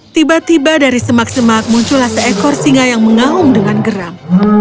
tiba tiba dari semak semak muncullah seekor singa yang mengaung dengan geram